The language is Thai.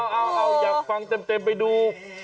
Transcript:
เอาอยากฟังเต็มไปดู